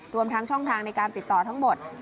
รวมทั้งช่องทางในการติดต่อทั้งหมด